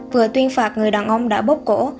vừa tuyên phạt người đàn ông đã bốc cổ